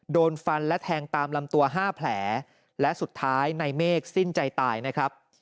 โดนฟันและแทงตามลำตัวห้าแผลและสุดท้ายในเมฆสิ้นใจตายนะครับ